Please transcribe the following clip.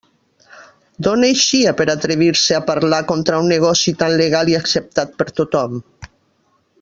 D'on eixia per a atrevir-se a parlar contra un negoci tan legal i acceptat per tothom?